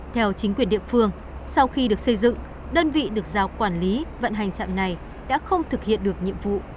theo chính quyền địa phương sau khi được xây dựng đơn vị được giao quản lý vận hành trạm này đã không thực hiện được nhiệm vụ